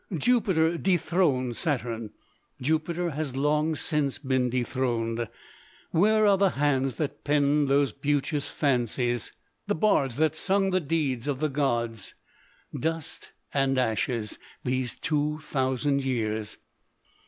Jupiter dethroned Saturn; Jupiter has long since been dethroned. Where are the hands that penned those beauteous fancies; the bards that sung the deeds of the gods? Dust and ashes these two thousand years.